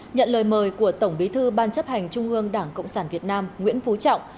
nhận lời mời của tổng bí thư ban chấp hành trung ương đảng cộng sản việt nam nguyễn phú trọng